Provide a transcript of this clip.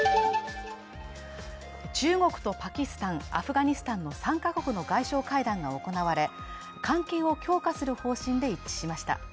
中国とパキスタン、アフガニスタンの３か国の外相会談が行われ関係を強化する方針で一致しました。